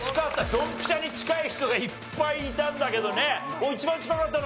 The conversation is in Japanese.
ドンピシャに近い人がいっぱいいたんだけどね一番近かったのは心君。